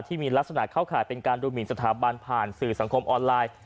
ที่มีลักษณะเข้าข่ายเป็นการดูหมินสถาบันผ่านสื่อสังคมออนไลน์